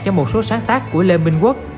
cho một số sáng tác của lê minh quốc